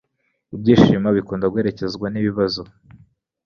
Ibyishimo bikunda guherekezwa nibibazo.